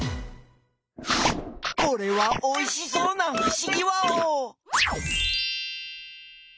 これはおいしそうなふしぎワオ！